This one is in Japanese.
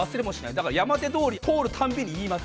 だから山手通り通るたんびに言います。